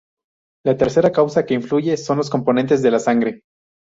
La tercera causa que influye son los componentes de la sangre.